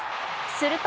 すると